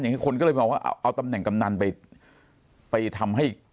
อย่างนี้คนก็เลยบอกว่าเอาตำแหน่งกำนันไปทำให้